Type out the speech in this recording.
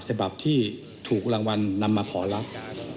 ฉบับที่ถูกรางวัลนำมาขอรับ